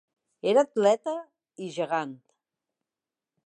Era atleta i gegant.